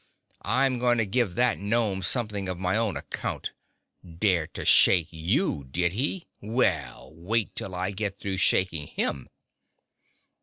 I'm going to give that gnome something on my own account. Dared to shake you, did he? Well, wait till I get through shaking him!"